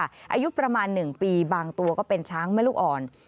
อายุประมาณ๑ปีบางตัวก็เป็นช้างแม่ลูกอ่อน